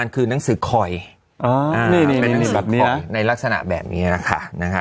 คือนังสือคอยในลักษณะแบบนี้นะค่ะ